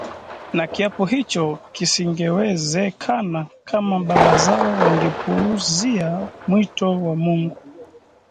Na kiapo hicho kisingewezekana kama baba zao wangepuuzia mwito wa Mungu